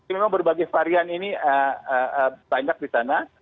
memang berbagai varian ini banyak di sana